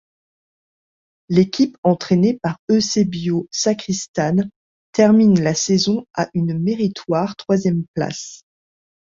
L'équipe entraînée par Eusebio Sacristán termine la saison à une méritoire troisième place.